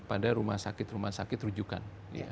pada rumah sakit rumah sakit rujukan